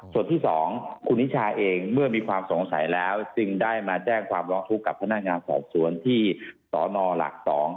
ส่วนที่๒คุณนิชาเองเมื่อมีความสงสัยแล้วจึงได้มาแจ้งความร้องทุกข์กับพนักงานสอบสวนที่สนหลัก๒